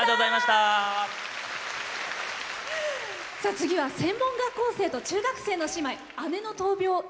次は専門学校生と中学生の姉妹。